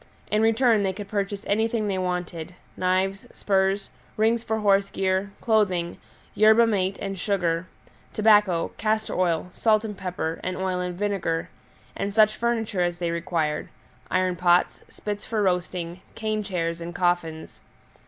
In return they could purchase anything they wanted knives, spurs, rings for horse gear, clothing, yerba mate and sugar; tobacco, castor oil, salt and pepper, and oil and vinegar, and such furniture as they required iron pots, spits for roasting, cane chairs, and coffins.